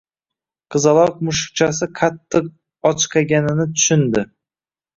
Qizaloq mushukchasi qattiq ochqaganini tushundi